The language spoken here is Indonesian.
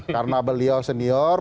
karena beliau senior